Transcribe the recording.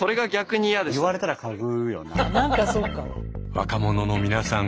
若者の皆さん